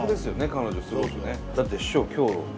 彼女すごくね。